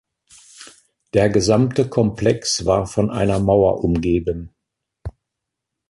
Der gesamte Komplex war von einer Mauer umgeben.